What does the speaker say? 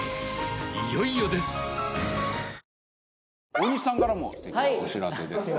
大西さんからも素敵なお知らせです。